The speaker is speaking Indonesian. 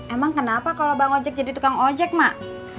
emang kenapa kalau bang ojek jadi tukang ojek mak